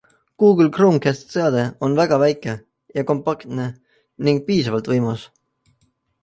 Google Chromecast seade on väga väike ja kompaktne ning piisavalt võimas.